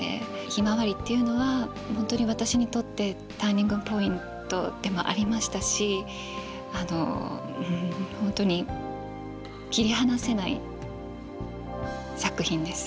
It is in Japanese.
「ひまわり」っていうのは本当に私にとってターニングポイントでもありましたし本当に切り離せない作品です。